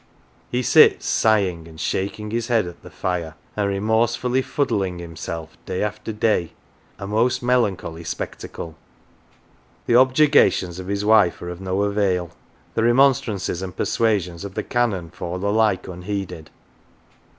He sits sighing and shaking his head at the fire, and remorsefully " fuddling himself" day after day, a most melancholy spectacle. The objurgations of his wife are of no avail; the remonstrances and persuasions of the Canon fall alike unheeded.